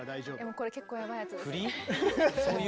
これ結構ヤバイやつです。